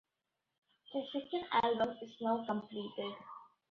Their second album is now completed.